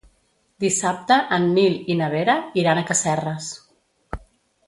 Dissabte en Nil i na Vera iran a Casserres.